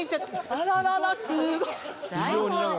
あらららすごい。